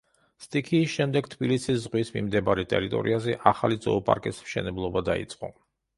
სტიქიის შემდეგ თბილისის ზღვის მიმდებარე ტერიტორიაზე ახალი ზოოპარკის მშენებლობა დაიწყო.